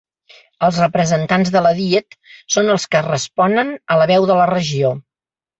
Els representants de la Diet són els que responen a la veu de la regió.